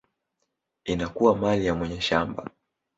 inakuwa mali ya mwenye shamba.